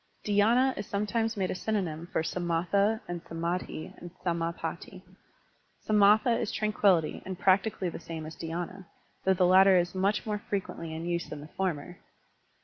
DhySna is sometimes made a synonym for gamatha and samMhi and samSpatti. 5^^3,tha is tranquillity and practically the same as dhydna, though the latter is much more frequently in use than the former.